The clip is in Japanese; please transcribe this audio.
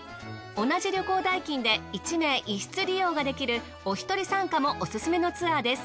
同じ旅行代金で１名１室利用ができるおひとり参加もオススメのツアーです。